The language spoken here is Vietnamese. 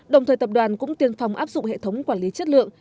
đồng thời tập đoàn cũng tiên phong áp dụng hệ thống quản lý chất lượng